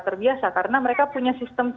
terbiasa karena mereka punya sistem